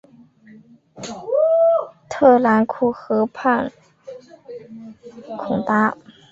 特兰库河畔孔达。